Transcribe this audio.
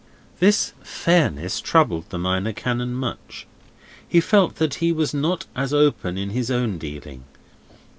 This fairness troubled the Minor Canon much. He felt that he was not as open in his own dealing.